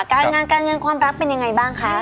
การงานการเงินความรักเป็นยังไงบ้างคะ